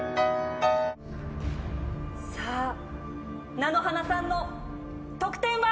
さあなのはなさんの得点は？